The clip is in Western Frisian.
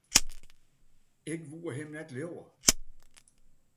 Ik woe him net leauwe.